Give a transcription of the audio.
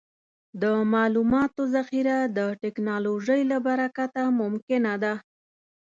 د معلوماتو ذخیره د ټکنالوجۍ له برکته ممکنه ده.